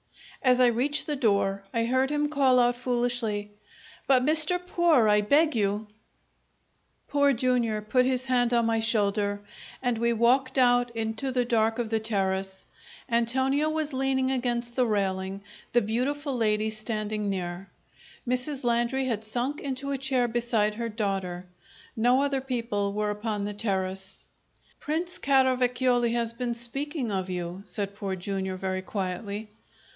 As I reached the door I heard him call out foolishly, "But Mr. Poor, I beg you " Poor Jr. put his hand on my shoulder, and we walked out into the dark of the terrace. Antonio was leaning against the railing, the beautiful lady standing near. Mrs. Landry had sunk into a chair beside her daughter. No other people were upon the terrace. "Prince Caravacioli has been speaking of you," said Poor Jr., very quietly.